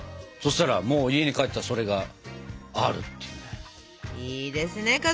そしたらもう家に帰ったらそれがあるっていうね。